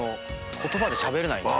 言葉でしゃべれないんで。